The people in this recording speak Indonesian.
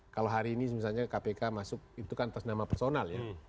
kalau hari ini misalnya kpk masuk itu kan atas nama personal ya